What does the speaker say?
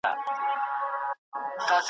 مُغان زخمي دی مطرب ناښاده .